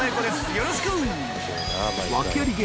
よろしく！